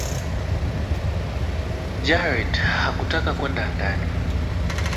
Jared hakutaka kwenda ndani